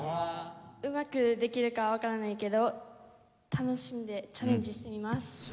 うまくできるかわからないけど楽しんでチャレンジしてみます。